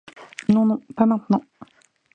Non, non, pas maintenant.